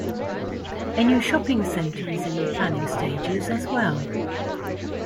A new shopping center is in the planning stages as well.